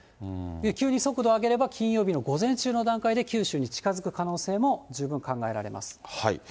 急に速度を上げれば、金曜日の午前中の段階で、九州に近づく可能性も十分考えられます。